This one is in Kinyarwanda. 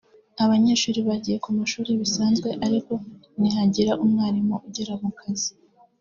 abanyeshuri bagiye ku mashuri bisanzwe ariko ntihagira umwarimu ugera mu kazi